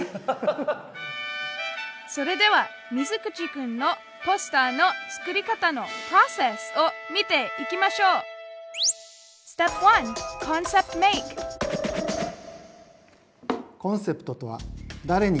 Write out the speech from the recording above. それでは水口くんの「ポスターの作り方のプロセス」を見ていきましょう「コンセプト」とは「誰に」